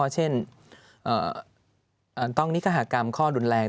เช่นต้องนิกหากรรมข้อรุนแรง